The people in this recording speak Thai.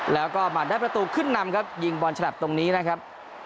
แล้วก็หมัดได้ประตูขึ้นนำครับยิงบอลฉลับตรงนี้นะครับ